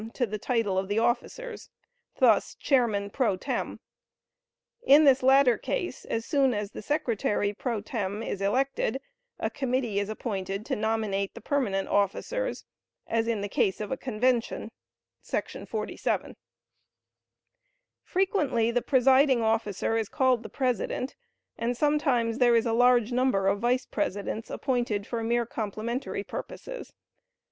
to the title of the officers, thus: "chairman pro tem." In this latter case, as soon as the secretary pro tem. is elected, a committee is appointed to nominate the permanent officers, as in the case of a convention [§ 47]. Frequently the presiding officer is called the President, and sometimes there is a large number of Vice Presidents appointed for mere complimentary purposes.